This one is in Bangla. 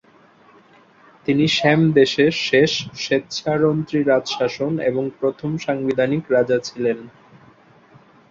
তিনি শ্যামদেশের শেষ স্বেচ্ছারন্ত্রী রাজশাসন এবং প্রথম সাংবিধানিক রাজা ছিলেন।